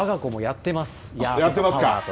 やってますか？